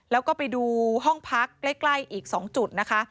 แล้วก็ไปดูห้องพักใกล้อีก๒จุดนะคะ